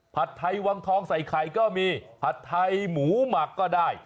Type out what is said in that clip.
ผัดไทยวังทองใส่ไข่ก็มีผัดไทยหมูหมักก็ได้